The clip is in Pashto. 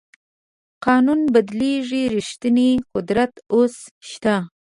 قانونونه بدلېږي ریښتینی قدرت اوس شته.